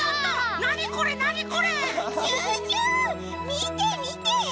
みてみて！